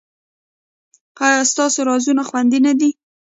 ایا ستاسو رازونه خوندي نه دي؟